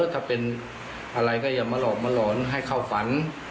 ถ้าเป็นอะไรก็อย่ามาหลอกมาหลอนให้เข้าฝัน